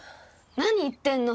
何言ってんの！